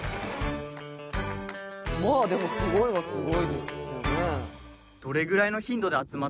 まあでもすごいはすごいですよね。